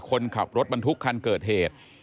คนขับรถบรรทุกคันเกิดเหตุ